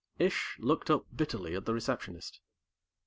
Ish looked up bitterly at the Receptionist.